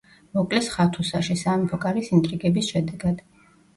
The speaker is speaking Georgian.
მოკლეს ხათუსაში სამეფო კარის ინტრიგების შედეგად.